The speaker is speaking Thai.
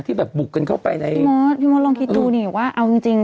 แบบบุกกันเข้าไปในพี่มดพี่มดลองคิดดูนี่ว่าเอาจริงจริง